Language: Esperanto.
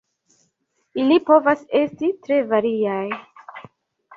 Ili povas estis tre variaj.